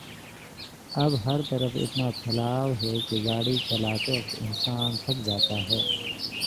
اب ہرطرف اتنا پھیلا ؤ ہے کہ گاڑی چلاتے وقت انسان تھک جاتاہے۔